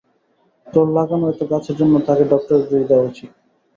তোর লাগানো এতো গাছের জন্য, তোকে ডক্টরেট ডিগ্রি দেওয়া উচিৎ।